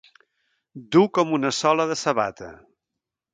Dur com una sola de sabata.